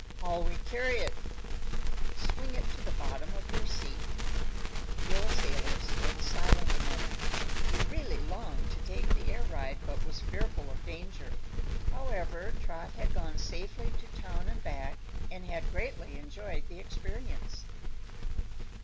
"How'll we carry it?" "Swing it to the bottom of your seat." The old sailor stood silent a moment. He really longed to take the air ride but was fearful of danger. However, Trot had gone safely to town and back and had greatly enjoyed the experience.